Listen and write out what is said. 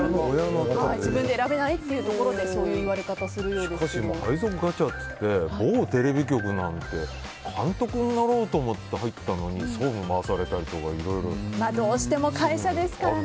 自分で選べないというところでそういう言われ方をしかし、配属ガチャって某テレビ局なんて監督になろうと思って入ったのに総務に回されたりとかあるんですから。